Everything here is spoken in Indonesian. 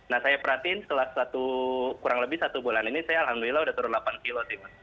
nah saya perhatiin setelah kurang lebih satu bulan ini saya alhamdulillah udah turun delapan kilo sih mas